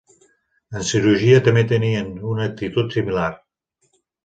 En cirurgia també tenien una actitud similar.